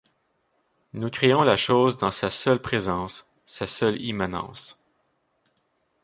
Nous créons la chose dans sa seule présence, sa seule immanence.